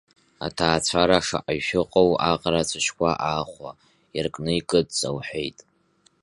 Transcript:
Аҭаацәара шаҟаҩ шәыҟоу аҟара ацәашьқәа аахәа, иаркны икыдҵа, — лҳәеит.